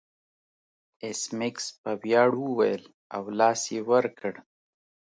ایس میکس په ویاړ وویل او لاس یې ور کړ